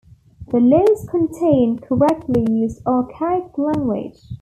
The Laws contain correctly used archaic language.